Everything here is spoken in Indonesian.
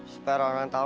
supaya orang orang tahu